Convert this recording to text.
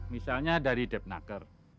misalnya dari dep naker